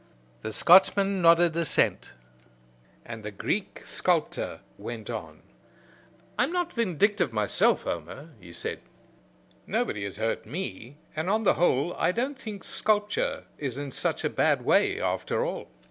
The Scotchman nodded assent, and the Greek sculptor went on. "I am not vindictive myself, Homer," he said. "Nobody has hurt me, and, on the whole, I don't think sculpture is in such a bad way, after all.